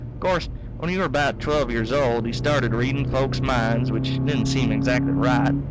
O'course, when he were about twelve years old he started reading folks' minds, which didn't seem exactly right.